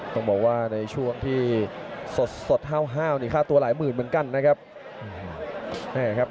ต้องบอกว่าในช่วงที่สดห้าวนี่ค่าตัวหลายหมื่นเหมือนกันนะครับ